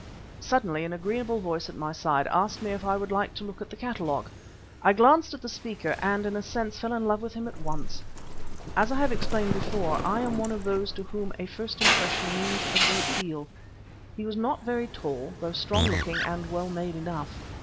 Suddenly an agreeable voice at my side asked me if I would like a look at the catalogue. I glanced at the speaker, and in a sense fell in love with him at once as I have explained before, I am one of those to whom a first impression means a great deal. He was not very tall, though strong looking and well made enough.